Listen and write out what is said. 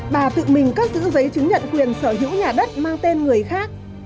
bà tự mình cất giữ giấy chứng nhận quyền sở hữu nhà đất mang tên người khác